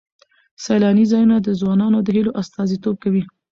سیلاني ځایونه د ځوانانو د هیلو استازیتوب کوي.